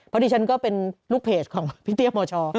เพราะดิฉันก็เป็นลูกเพจของพี่เตี้ยมช